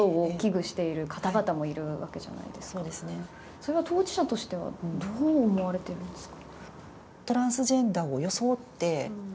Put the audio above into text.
それは当事者としてはどう思われてるんですか。